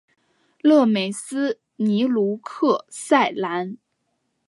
勒梅斯尼鲁克塞兰。